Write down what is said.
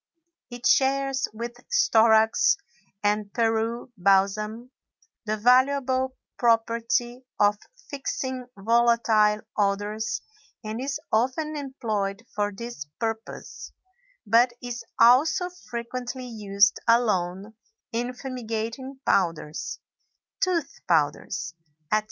It shares with storax and Peru balsam the valuable property of fixing volatile odors and is often employed for this purpose, but is also frequently used alone in fumigating powders, tooth powders, etc.